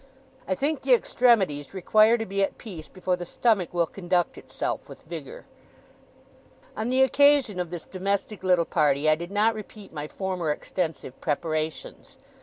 I think the extremities require to be at peace before the stomach will conduct itself with vigour. On the occasion of this domestic little party, I did not repeat my former extensive preparations.